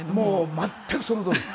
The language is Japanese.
全くそのとおり。